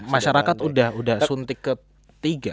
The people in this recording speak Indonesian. masyarakat udah suntik ke tiga